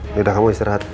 ini udah kamu istirahat